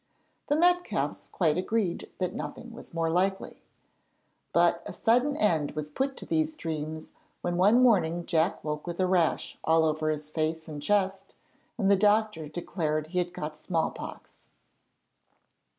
The Metcalfes quite agreed that nothing was more likely; but a sudden end was put to these dreams when one morning Jack woke with a rash all over his face and chest, and the doctor declared he had got small pox.